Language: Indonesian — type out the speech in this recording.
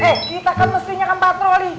eh kita kan mestinya kan patroli